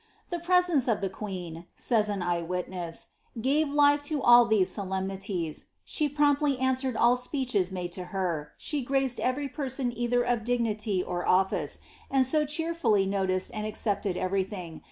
The presence of the queen," nys an eye witness,^ ^ gave life to all these solemnities ; she promptly answered all speeches made to her, she graced every person either of ciij^uity or office, and so cheerfully noticed and accepted everything, 'MiK.